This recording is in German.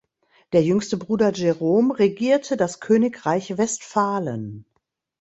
Der jüngste Bruder Jerome regierte das Königreich Westphalen.